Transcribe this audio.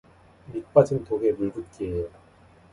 밑 빠진 독에 물 붓기예요.